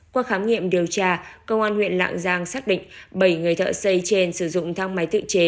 qua khám nghiệm điều tra công an huyện lạng giang xác định bảy người thợ xây trên sử dụng thang máy tự chế